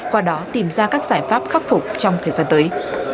qua đó tìm ra các giải pháp khắc phục trong thời gian tới